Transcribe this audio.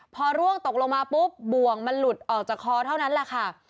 พอร่วงตกลงมาปุ๊บบ่วงมันหลุดออกจากคอเท่านั้นแหละค่ะ